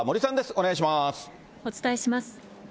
お伝えします。